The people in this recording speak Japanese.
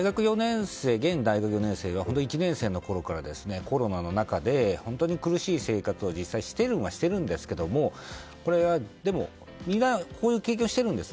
現大学４年生は１年生のころからコロナの中で本当に苦しい生活を実際にしているのはしているんですけど、みんなこういう経験をしているんです。